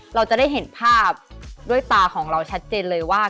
เราจะได้เห็นภาพด้วยตาของเราชัดเจนเลยว่า